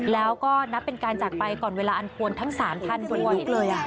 แล้วก็นับเป็นการจากไปก่อนเวลาอันควรทั้ง๓ท่านโดยวัดเลย